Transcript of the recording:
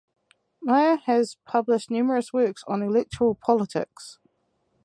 Mayer has published numerous works on electoral politics.